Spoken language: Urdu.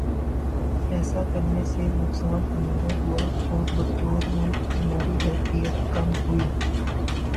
ایسا کرنے سے نقصان ہمارا ہوا اور بطور ملک ہماری حیثیت کم ہوئی۔